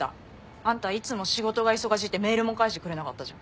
あんたいつも仕事が忙しいってメールも返してくれなかったじゃん。